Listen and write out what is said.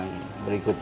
kamu dulu neng